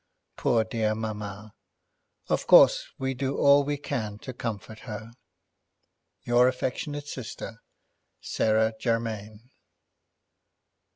Poor dear mamma! Of course we do all we can to comfort her. "Your affectionate sister, "SARAH GERMAIN."